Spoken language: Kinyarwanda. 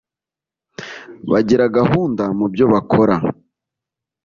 bagira gahunda mu byo bakora